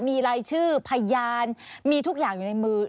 มีรายชื่อพยานมีทุกอย่างอยู่ในมือ